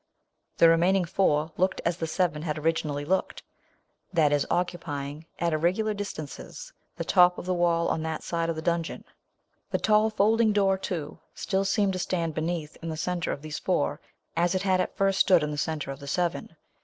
The remaining four looked as the seven had originally looked j that is, occu pying, at irregular distances, the top of the wall on that side of the dun geon. The tall folding door, too, still seemed to stand beneath, in the centre of these four, as it had at first stood in the centre of the seven.